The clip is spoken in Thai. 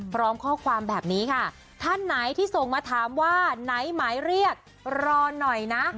พร้อมข้อความแบบนี้ค่ะท่านไหนที่ส่งมาถามว่าไหนหมายเรียกรอหน่อยนะ